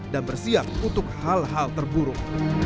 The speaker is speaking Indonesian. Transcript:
dan bersiap untuk hal hal terburuk